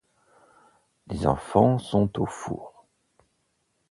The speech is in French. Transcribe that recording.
Les enfants sont aux fours.